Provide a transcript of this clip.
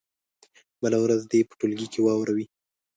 بله ورځ دې یې په ټولګي کې واوروي.